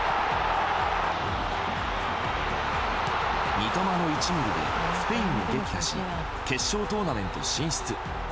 三笘の１ｍｍでスペインも撃破し決勝トーナメント進出。